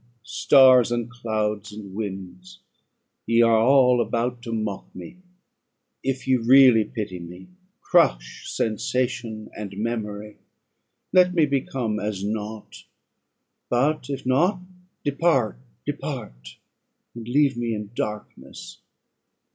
stars and clouds, and winds, ye are all about to mock me: if ye really pity me, crush sensation and memory; let me become as nought; but if not, depart, depart, and leave me in darkness."